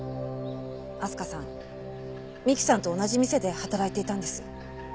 明日香さん美希さんと同じ店で働いていたんです。